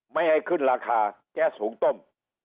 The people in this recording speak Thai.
ไม่ให้ขึ้นราคาแก๊สหุงต้ม